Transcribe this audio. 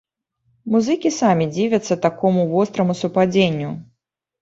Музыкі самі дзівяцца такому востраму супадзенню.